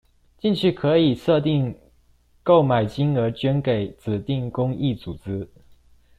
進去可以設定購買金額捐給指定公益組織